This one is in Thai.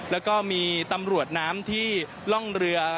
แล้วก็มีตำรวจน้ำที่ร่องเรือ